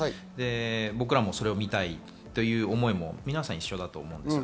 僕らもそれを見たいという思いも皆さん、一緒だと思います。